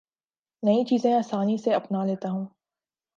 نئی چیزیں آسانی سے اپنا لیتا ہوں